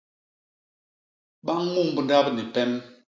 Ba ñumb ndap ni pem.